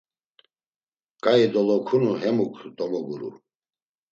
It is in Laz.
Ǩai dolokunu hemuk domoguru.